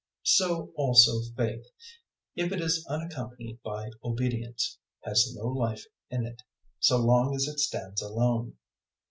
002:017 So also faith, if it is unaccompanied by obedience, has no life in it so long as it stands alone.